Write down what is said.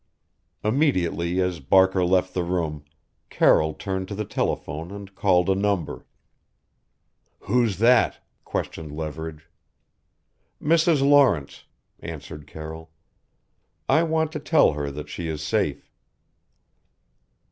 Immediately as Barker left the room Carroll turned to the telephone and called a number. "Who's that?" questioned Leverage. "Mrs. Lawrence," answered Carroll. "I want to tell her that she is safe."